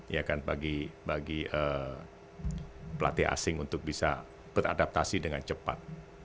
ya kan bagi pelatih asing untuk bisa beradaptasi dengan cepat